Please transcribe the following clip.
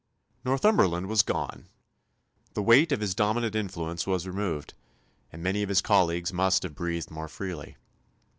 Northumberland was gone. The weight of his dominant influence was removed, and many of his colleagues must have breathed more freely.